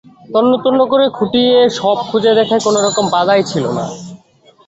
তন্নতন্ন করে খুঁটিয়ে সব খুঁজে দেখায় কোনোরকম বাধাই ছিল না।